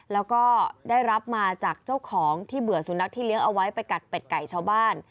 แล้วก็ได้รับมาจากเจ้าของที่เบื่อสุนัขที่เลี้ยงเอาไว้ไปกัดเป็ดไก่ชาวบ้าน